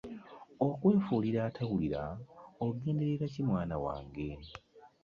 Okwefuulira atawulira ogenderera ki mwana wange?